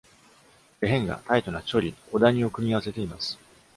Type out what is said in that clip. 「レヘンガ」、タイトな「チョリ」、「odhani」を組み合わせています。